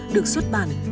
được xuất bản